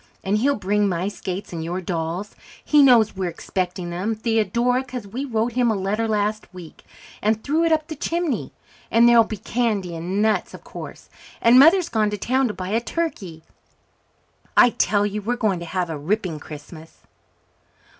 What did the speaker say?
And he'll bring my skates and your dolls. He knows we're expecting them, Theodora, 'cause we wrote him a letter last week, and threw it up the chimney. And there'll be candy and nuts, of course, and Mother's gone to town to buy a turkey. I tell you we're going to have a ripping Christmas."